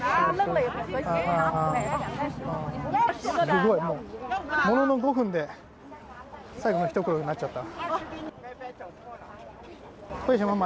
すごい、ものの５分で最後の１袋になっちゃった。